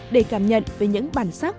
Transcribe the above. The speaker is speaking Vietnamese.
để cảm nhận về những bản sắc